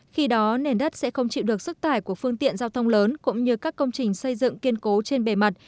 khi đó nền đất sẽ không chịu được sức tải của phương tiện giao thông lớn cũng như các công trình xây dựng kiên cố trên bề mặt